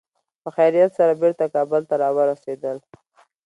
په خیریت سره بېرته کابل ته را ورسېدل.